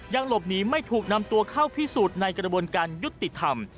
หลบหนีไม่ถูกนำตัวเข้าพิสูจน์ในกระบวนการยุติธรรม